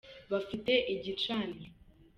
bafite igicaniro.